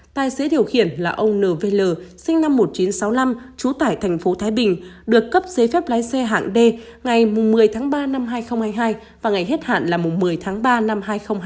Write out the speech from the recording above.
tài xế điều khiển là ông nv sinh năm một nghìn chín trăm sáu mươi năm trú tại thành phố thái bình được cấp giấy phép lái xe hạng d ngày một mươi tháng ba năm hai nghìn hai mươi hai và ngày hết hạn là một mươi tháng ba năm hai nghìn hai mươi